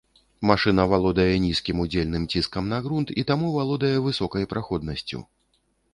Машына валодае нізкім удзельным ціскам на грунт і таму валодае высокай праходнасцю.